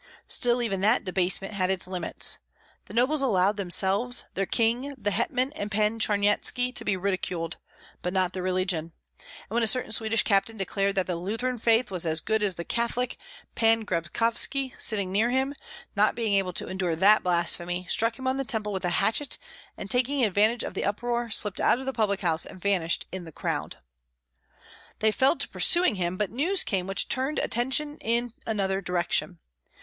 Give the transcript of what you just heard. Still even that debasement had its limits. The nobles allowed themselves, their king, the hetmans, and Pan Charnyetski to be ridiculed, but not their religion; and when a certain Swedish captain declared that the Lutheran faith was as good as the Catholic, Pan Grabkovski, sitting near him, not being able to endure that blasphemy, struck him on the temple with a hatchet, and taking advantage of the uproar, slipped out of the public house and vanished in the crowd. They fell to pursuing him, but news came which turned attention in another direction.